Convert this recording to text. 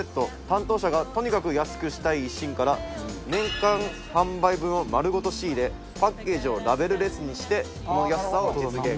担当者がとにかく安くしたい一心から年間販売分を丸ごと仕入れパッケージをラベルレスにしてこの安さを実現。